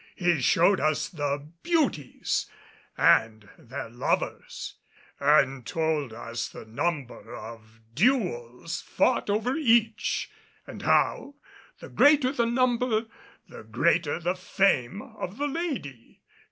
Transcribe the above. He showed us the beauties, and their lovers and told us the number of duels fought over each, and how, the greater the number, the greater the fame of the lady.